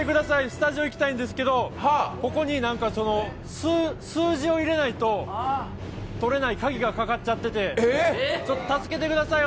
スタジオに行きたいんですけど、ここになんか、数字をいれないととれない鍵がかかっちゃってちょっと助けてください